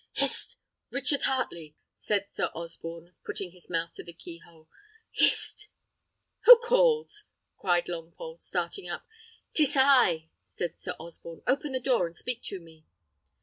"Hist! Richard Heartley!" said Sir Osborne, putting his mouth to the keyhole; "hist!" "Who calls?" cried Longpole, starting up. "'Tis I," said Sir Osborne; "open the door, and speak to me."